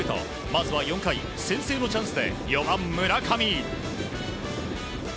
まずは４回、先制のチャンスで４番、村上。